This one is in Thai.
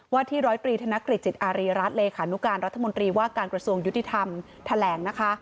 ว่าที่รรคอรรุศวงศ์ยุติธรรมแถลงนะคะ